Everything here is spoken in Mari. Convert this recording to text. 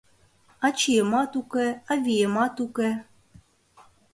Ачиемат уке, авиемат уке